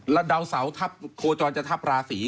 แล้วดาวเสาทัพโคจรจะทับราศี